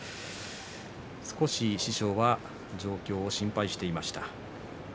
少し宮城野親方は状況を心配していました。